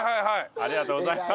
ありがとうございます。